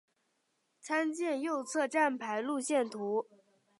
参见右侧站牌路线图。